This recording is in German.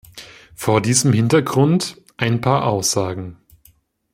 Vor diesem Hintergrund ein paar Aussagen.